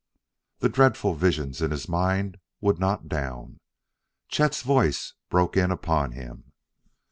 The dreadful visions in his mind would not down.... Chet's voice broke in upon him.